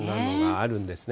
あるんですね。